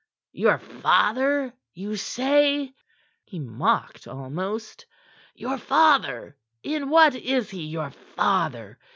Your father, you say!" He mocked almost. "Your father! In what is he your father?